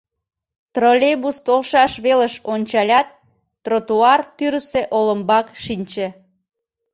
Троллейбус толшаш велыш ончалят, тротуар тӱрысӧ олымбак шинче.